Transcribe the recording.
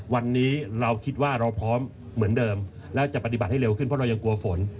วันนี้เราคิดว่าเราพร้อมเหมือนเดิมแล้วจะปฏิบัติให้เร็วขึ้นเพราะเรายังกลัวฝน